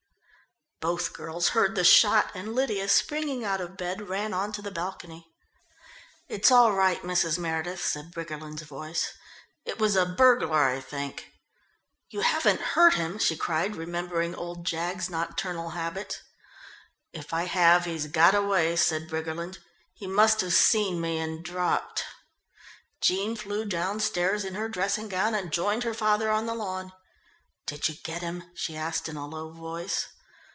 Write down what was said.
Both girls heard the shot, and Lydia, springing out of bed, ran on to the balcony. "It's all right, Mrs. Meredith," said Briggerland's voice. "It was a burglar, I think." "You haven't hurt him?" she cried, remembering old Jaggs's nocturnal habits. "If I have, he's got away," said Briggerland. "He must have seen me and dropped." Jean flew downstairs in her dressing gown and joined her father on the lawn. "Did you get him?" she asked in a low voice.